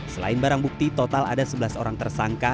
selain barang bukti total ada sebelas orang tersangka